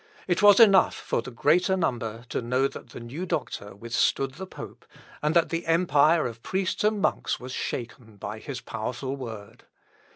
It was enough for the greater number to know that the new doctor withstood the pope, and that the empire of priests and monks was shaken by his powerful word.